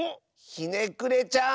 ひねくれちゃん。